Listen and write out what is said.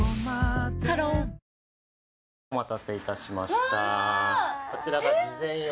ハローお待たせいたしました。